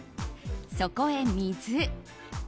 そこへ水。